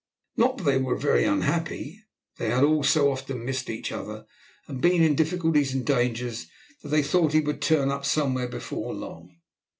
Not that they were very unhappy. They had all so often missed each other, and been in difficulties and dangers, that they thought he would turn up somewhere before long.